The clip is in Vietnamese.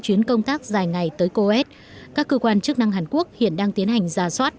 chuyến công tác dài ngày tới coet các cơ quan chức năng hàn quốc hiện đang tiến hành giả soát